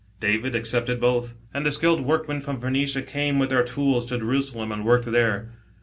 David accepted both, and the skilled workmen from Phoenicia came with their tools to Jerusalem and worked there.